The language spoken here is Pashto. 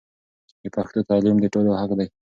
د پښتو تعلیم د ټولو حق دی.